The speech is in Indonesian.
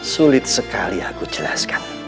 sulit sekali aku jelaskan